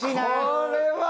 これは。